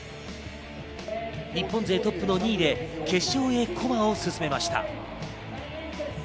日本勢トップの２位で決勝へ駒を進めました。